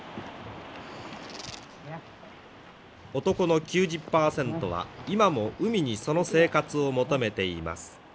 男の９０％は今も海にその生活を求めています。